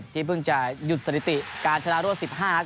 เพิ่งจะหยุดสถิติการชนะรวด๑๕นัด